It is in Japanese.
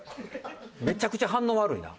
めちゃくちゃ反応悪いな。